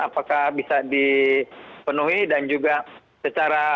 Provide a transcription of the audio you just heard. apakah bisa dipenuhi dan juga secara